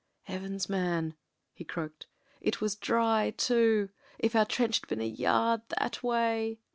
"Heavens! man," he croaked, "it was dry too. If our trench had been a yard that way.